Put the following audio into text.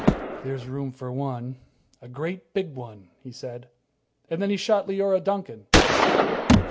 "There's room for one a great big one," he said. And then he shot Leora Duncan.